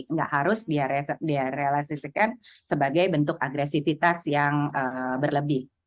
nggak harus direalisasikan sebagai bentuk agresivitas yang berlebih